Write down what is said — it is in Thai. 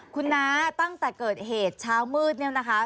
คุณน้าตั้งแต่เกิดเหตุเช้ามืดเนี่ยนะคะ